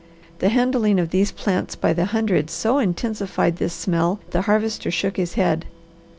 The handling of these plants by the hundred so intensified this smell the Harvester shook his head.